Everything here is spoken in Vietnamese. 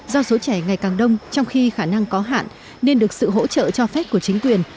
do số trẻ ngày càng đông trong khi khả năng có hạn nên được sự hỗ trợ cho phép của chính quyền